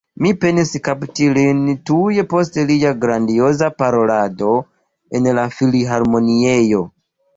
Mi penis kapti lin tuj post lia grandioza parolado en la Filharmoniejo.